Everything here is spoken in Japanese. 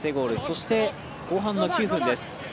そして後半の９分です。